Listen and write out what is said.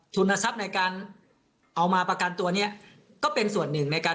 ทรัพย์ในการเอามาประกันตัวเนี้ยก็เป็นส่วนหนึ่งในการ